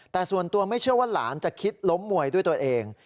แต่ส่วนตัวไม่เชื่อว่าหลานจะคิดล้มมวยด้วยตัวเอง